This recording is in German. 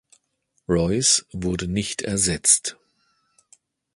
Royce wurde nicht ersetzt.